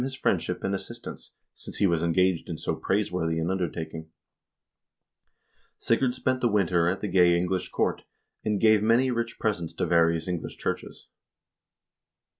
NORWAY PARTICIPATES IN THE CRUSADES 315 friendship and assistance, since he was engaged in so praiseworthy an undertaking.1 Sigurd spent the winter at the gay English court, and gave many rich presents to various English churches.